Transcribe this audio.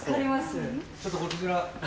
ちょっとこちら。